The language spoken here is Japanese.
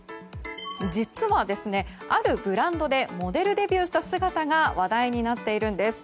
実は、あるブランドでモデルデビューした姿が話題になっているんです。